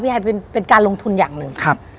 พี่ไฮเป็นการลงทุนอย่างหนึ่ง